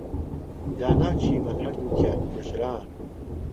دانا و چیمەن هەردووکیان کوژران.